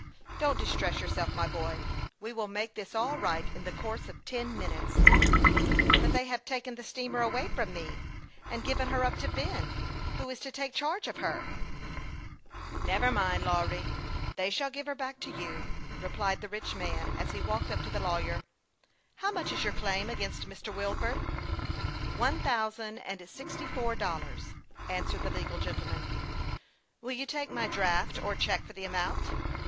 Don't distress yourself, my boy. We will make this all right in the course of ten minutes." " But they have taken the steamer away from me, and given her up to Ben, who is to take charge of her." " Never mind, Lawry. They shall give her back THE YOUKG PILOT OF LAKE CHAMPLAIN. 231 to you," replied the rich man, as he walked up to the lawyer. " How much is your claim against Mr. Wilfordr" " One thousand and sixty four dollars," answered the legal gentleman. " Will you take my draft or check for the amount?"